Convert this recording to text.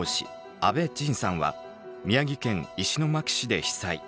阿部任さんは宮城県石巻市で被災。